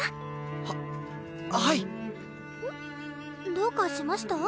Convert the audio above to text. どうかしました？